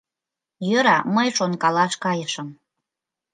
Йӧра, мый шонкалаш кайышым.